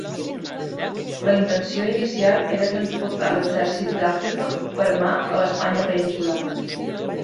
La intenció inicial era transportar l'Exèrcit d'Àfrica per mar a l'Espanya peninsular.